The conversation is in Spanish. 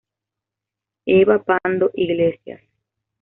Eva Pando Iglesias.